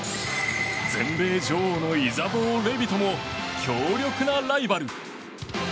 全米女王のイザボー・レビトも強力なライバル。